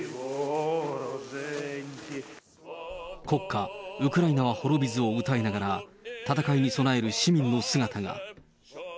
国歌、ウクライナは滅びずを歌いながら、戦いに備える市民の姿が。